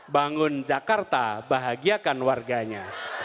bangun jakarta bahagiakan warganya